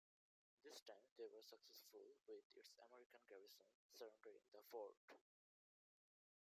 This time they were successful, with its American garrison surrendering the fort.